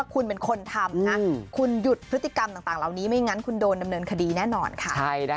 ก็ต้องจัดการดำเนินคดีค่ะ